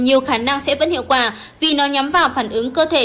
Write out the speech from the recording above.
nhiều khả năng sẽ vẫn hiệu quả vì nó nhắm vào phản ứng cơ thể